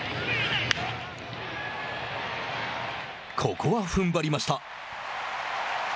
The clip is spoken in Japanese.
ここはふんばりました。